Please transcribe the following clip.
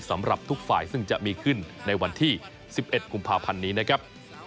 สำหรับทุกฝ่ายซึ่งจะมีขึ้นในวันที่๑๑กุมภาพันธ์นี้นะครับ